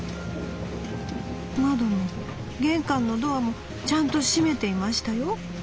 窓も玄関のドアもちゃんと閉めていましたよ。